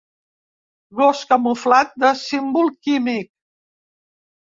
Gos camuflat de símbol químic.